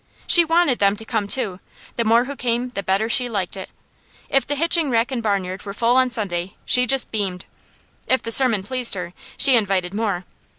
She wanted them to come too; the more who came, the better she liked it. If the hitching rack and barnyard were full on Sunday she just beamed. If the sermon pleased her, she invited more.